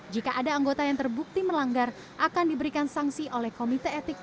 jika ada anggota yang terbukti melanggar akan diberikan sanksi oleh komite etik